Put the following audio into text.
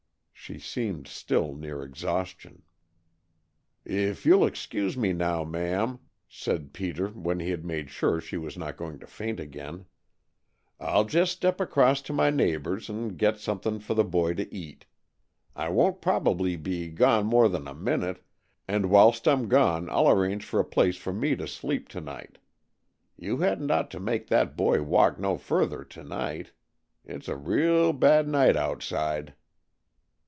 She seemed still near exhaustion. "If you'll excuse me, now, ma'am," said Peter, when he had made sure she was not going to faint again, "I'll just step across to my neighbor's and get something for the boy to eat. I won't probably be gone more than a minute, and whilst I'm gone I'll arrange for a place for me to sleep to night. You hadn't ought to make that boy walk no further to night. It's a real bad night outside."